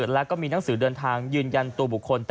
แล้วก็มีหนังสือเดินทางยืนยันตัวบุคคล